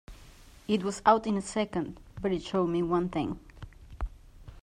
It was out in a second, but it showed me one thing.